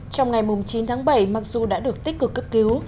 trong ngày chín tháng bảy mặc dù đã được tích cực cấp cứu